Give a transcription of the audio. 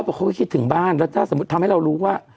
เขาก็คิดถึงบ้านแล้วถ้าสมมุติทำให้เรารู้ว่า